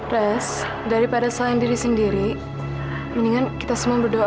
res daripada sayang diri sendiri mendingan kita semua berdoa ya